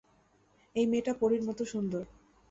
এই মেয়েটা পরীর মতো সুন্দর।